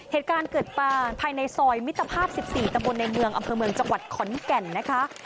เหตุการณ์เกิดป่าภายในซอยมิตรภาพ๑๔ตำบลในเมืองอำเภอเมืองจังหวัดขอนแก่นนะคะ